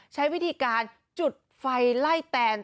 ใช้วิธีการจุดไฟไล่แตน